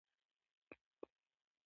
د دین سنتي تفسیرونه سنت دورې پیداوار دي.